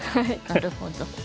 なるほど。